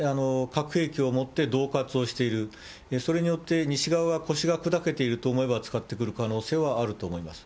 核兵器をもってどう喝をしている、それによって、西側は腰が砕けていると思えば、使ってくる可能性はあると思います。